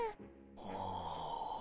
ああ。